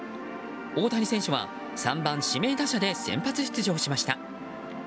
大谷選手は３番指名打者で先発出場しました。